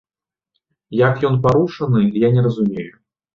Як ён парушаны, я не разумею.